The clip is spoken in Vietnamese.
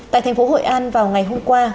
tại thành phố hội an vào ngày hôm qua